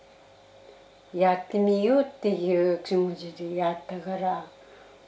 やってみようっていう気持ちでやったから。